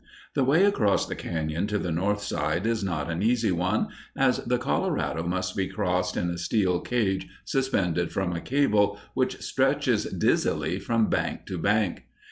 The way across the cañon to the north side is not an easy one, as the Colorado must be crossed in a steel cage suspended from a cable, which stretches dizzily from bank to bank.